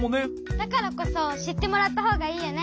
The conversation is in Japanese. だからこそしってもらったほうがいいよね。